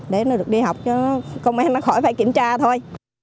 để nó được đi học cho công an nó khỏi phải kiểm tra thôi